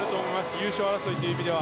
優勝争いという意味では。